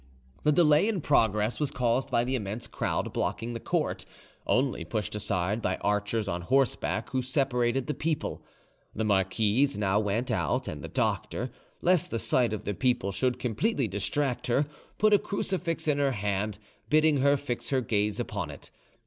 The delay in progress was caused by the immense crowd blocking the court, only pushed aside by archers on horseback, who separated the people. The marquise now went out, and the doctor, lest the sight of the people should completely distract her, put a crucifix in her hand, bidding her fix her gaze upon it.